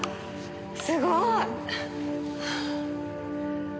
すごい！